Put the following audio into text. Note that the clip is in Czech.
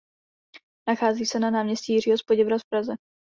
Nachází se na náměstí Jiřího z Poděbrad v Praze.